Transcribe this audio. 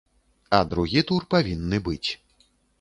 А другі тур павінны быць.